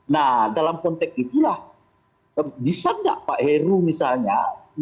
nah dalam konteks itulah bisa nggak pak heru misalnya